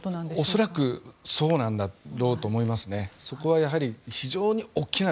恐らくそうなんだろうと思いますね。